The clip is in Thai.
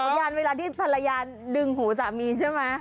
ยานเวลาที่ภรรยาดึงหูสามีใช่ไหม